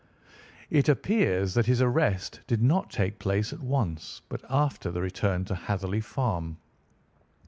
"It appears that his arrest did not take place at once, but after the return to Hatherley Farm.